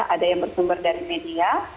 ada yang bersumber dari media